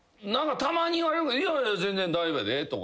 たまに言われるけど「いやいや全然大丈夫やで」とか。